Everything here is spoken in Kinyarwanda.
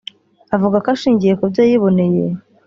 avuga ko ashingiye ku byo yiboneye